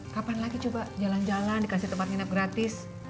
kapan lagi coba jalan jalan dikasih tempat nginep gratis